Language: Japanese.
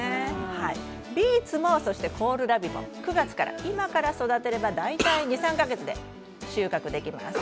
ビーツもコールラビも９月から、今から育てると大体２、３か月で収穫できます。